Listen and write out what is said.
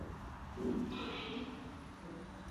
ya watu ulimwenguni shughuli za wanadamu huchangia